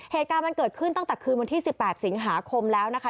เหตุการณ์มันเกิดขึ้นตั้งแต่คืนวันที่๑๘สิงหาคมแล้วนะคะ